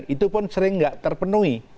itu pun sering tidak terpenuhi